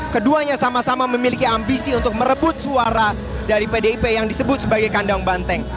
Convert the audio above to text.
keduanya sama sama memiliki ambisi untuk merebut suara dari pdip yang disebut sebagai kandang banteng